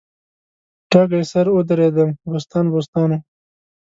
ډاګی سر او دړیدم بوستان بوستان و